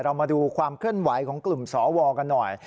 มาดูความเคลื่อนไหวของกลุ่มสวกันหน่อย